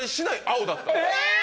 え！